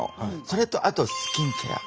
それとあとスキンケア。